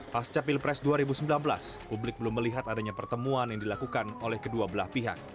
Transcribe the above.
pasca pilpres dua ribu sembilan belas publik belum melihat adanya pertemuan yang dilakukan oleh kedua belah pihak